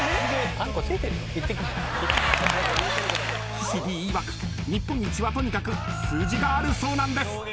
［岸Ｄいわく日本一はとにかく数字があるそうなんです］